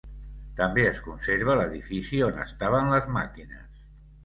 També es conserva l'edifici on estaven les màquines.